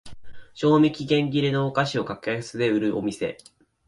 賞味期限切れのお菓子を格安で売るお店